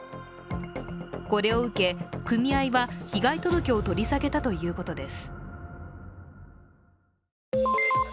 これを受け、組合は被害届を取り下げたということです。